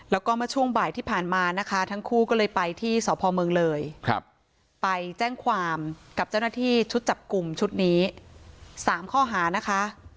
แล้วก็เมื่อช่วงบ่ายที่ผ่านมานะคะทั้งคู่ก็เลยไปที่สพเมืองเลยไปแจ้งความกับเจ้าหน้าที่ชุดจับกลุ่มชุดนี้๓ข้อหานะคะ